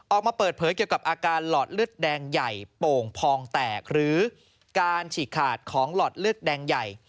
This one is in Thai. ออกมาเปิดเผยเกี่ยวกับอาการหลอดเลือดแดงใหญ่โป่งพองแตกหรือการฉีกขาดของหลอดเลือดแดงใหญ่